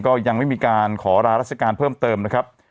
ก็ยังไม่มีการขอลาราชการเพิ่มเติมนะครับ